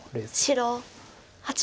白８の六。